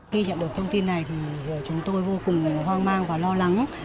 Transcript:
khi nhận được thông tin này thì chúng tôi vô cùng hoang mang và lo lắng